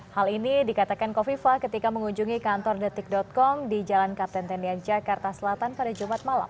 hal ini dikatakan kofifa ketika mengunjungi kantor detik com di jalan kapten tendian jakarta selatan pada jumat malam